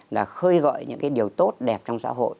là khơi gợi những cái điều tốt đẹp trong xã hội